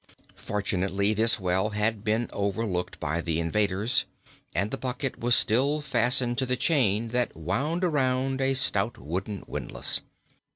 Fortunately, this well had been overlooked by the invaders and the bucket was still fastened to the chain that wound around a stout wooden windlass.